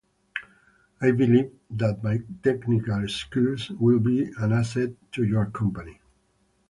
I believe that my technical skills will be an asset to your company.